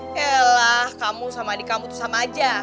helah kamu sama adik kamu tuh sama aja